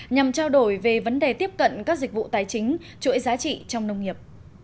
nhằm trao đổi về vấn đề tiếp cận các dịch vụ tài chính chuỗi giá trị trong nông nghiệp